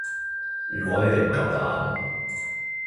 如果你哋唔夠膽